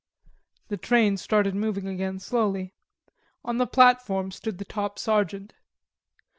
The train started moving again slowly. On the platform stood the top sergeant.